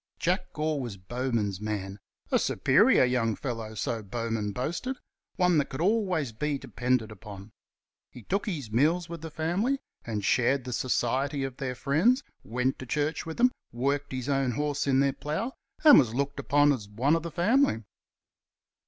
Jack Gore was Bowman's man a superior young fellow, so Bowman boasted one that could always be depended upon. He took his meals with the family and shared the society of their friends; went to church with them, worked his own horse in their plough, and was looked upon as one of the family.